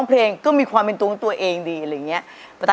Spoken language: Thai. เพราะว่าเพราะว่าเพราะว่าเพราะ